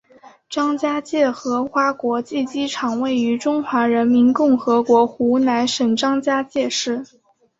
张家界荷花国际机场位于中华人民共和国湖南省张家界市。